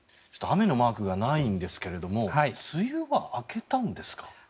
雨のマークがないんですが梅雨は明けたんですか？